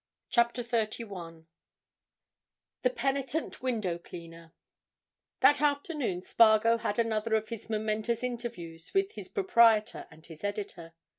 CHAPTER THIRTY ONE THE PENITENT WINDOW CLEANER That afternoon Spargo had another of his momentous interviews with his proprietor and his editor.